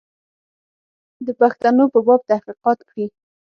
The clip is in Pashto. د پښتنو په باب تحقیقات کړي.